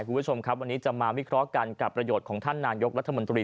คุณผู้ชมครับวันนี้จะมาวิเคราะห์กันกับประโยชน์ของท่านนายกรัฐมนตรี